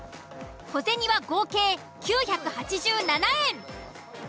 小銭は合計９８７円。